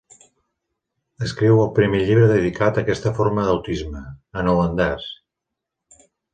Escriu el primer llibre dedicat a aquesta forma d'autisme, en holandès.